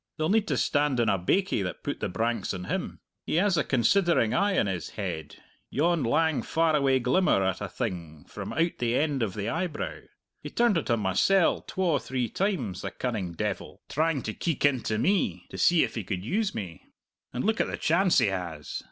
They'll need to stand on a baikie that put the branks on him. He has the considering eye in his head yon lang far away glimmer at a thing from out the end of the eyebrow. He turned it on mysell twa three times, the cunning devil, trying to keek into me, to see if he could use me. And look at the chance he has!